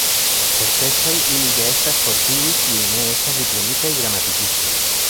Ĉar pezaj ili ja estas por tiuj, kiuj ne estas diplomitaj gramatikistoj.